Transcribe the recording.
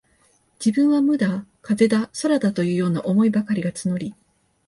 自分は無だ、風だ、空だ、というような思いばかりが募り、